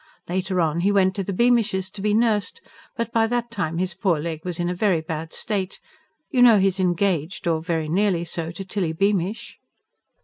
Later on he went to the Beamishes, to be nursed. But by that time his poor leg was in a very bad state. You know he is engaged or very nearly so to Tilly Beamish."